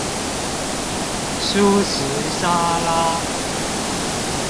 蔬食沙拉